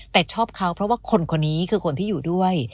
แต่ชอบเขาเพราะว่าคนคนนี้คือคนที่อยู่ด้วย